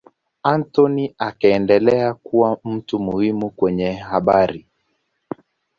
Anthony akaendelea kuwa mtu muhimu kwenye habari.